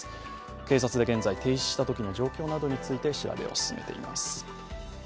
警察で現在、停止したときの状況などについて調べを進めています。